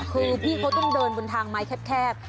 คือพี่เขาต้องเดินบนทางไม้แคบ